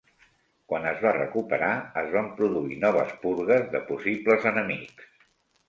Quan es va recuperar es van produir noves purgues de possibles enemics.